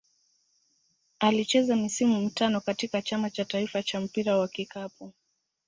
Alicheza misimu mitano katika Chama cha taifa cha mpira wa kikapu.